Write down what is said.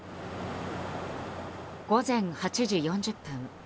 午前８時４０分